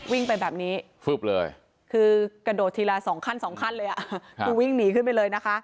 วิ่งไปแบบนี้คือกระโดดทีละ๒ขั้น๒ขั้นเลยวิ่งหนีขึ้นไปเลยนะคะ